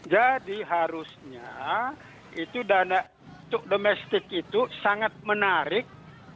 jadi harusnya itu dana untuk domestik itu sangat menarik